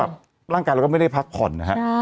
ร่างกายเราก็ไม่ได้พักผ่อนนะฮะ